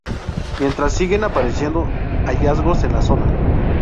Mientras, siguen apareciendo hallazgos en la zona.